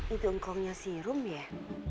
itu engkau punya si rum ya